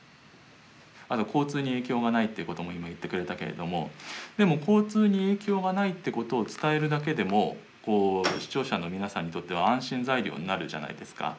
交通に影響がないっていうことも今、言ってくれたけれども交通に影響がないっていうことを伝えるだけでも視聴者の皆さんにとっては安心材料になるじゃないですか。